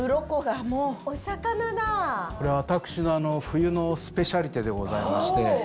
これは私の冬のスペシャリテでございまして。